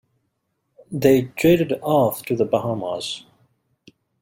They jetted off to the Bahamas.